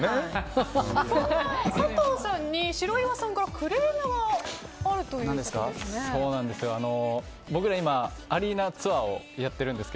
佐藤さんに白岩さんからクレームがあるということです。